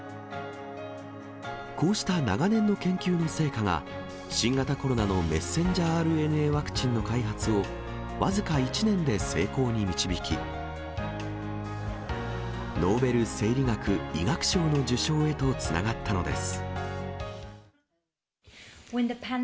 こうした長年の研究の成果が、新型コロナのｍＲＮＡワクチンの開発を僅か１年で成功に導き、ノーベル生理学・医学賞の受賞へとつながったのです。